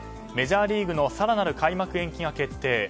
メジャーリーグの更なる開幕延期が決定。